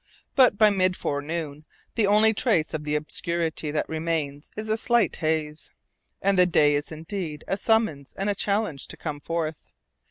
But by mid forenoon the only trace of the obscurity that remains is a slight haze, and the day is indeed a summons and a challenge to come forth.